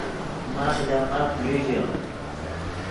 ماخ لے ماف یو ژے